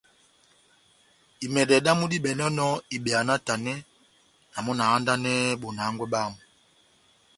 Imɛdɛ damu dímɛdɛnɔ ibeya náhtanɛ, na mɔ́ na handanɛhɛ bona hángwɛ bámu.